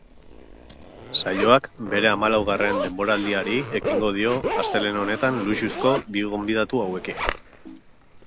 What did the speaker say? Saioak bere hamalaugarren denboraldiari ekingo dio astelehen honetan luxuzko bi gonbidatu hauekin.